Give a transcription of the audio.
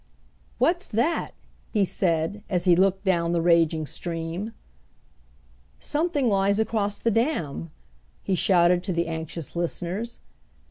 "What's that?" he said, as he looked down the raging stream. "Something lies across the dam!" he shouted to the anxious listeners.